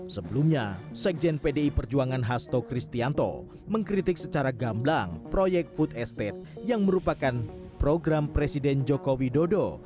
sebelumnya sekjen pdi perjuangan hasto kristianto mengkritik secara gamblang proyek food estate yang merupakan program presiden joko widodo